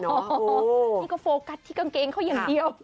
นี่ก็โฟกัสที่กางเกงเขาอย่างเดียว